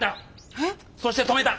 えっ？そして止めた。